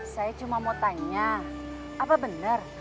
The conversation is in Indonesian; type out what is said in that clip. saya cuma mau tanya apa benar